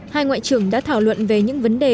hai ngoại trưởng đã thảo luận về những vấn đề